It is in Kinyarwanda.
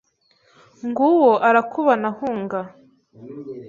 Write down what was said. Ng'uwo arakubana ahunga